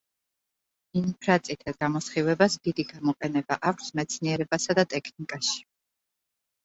ინფრაწითელ გამოსხივებას დიდი გამოყენება აქვს მეცნიერებასა და ტექნიკაში.